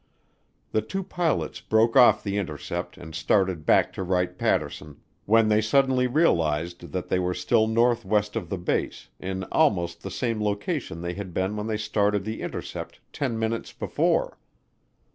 The two pilots broke off the intercept and started back to Wright Patterson when they suddenly realized that they were still northwest of the base, in almost the same location they had been when they started the intercept ten minutes before.